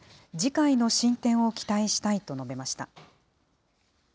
次回の進展を期待したいと述べました。